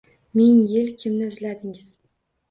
Ming yil kimni izladingiz